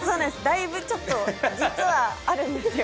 だいぶちょっと実はあるんですよ